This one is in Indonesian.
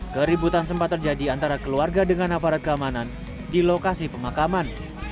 keributan sempat terjadi antara keluarga dengan aparat keamanan di lokasi pemakaman